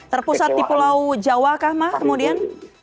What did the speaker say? terpusat di pulau jawa kah mas kemudian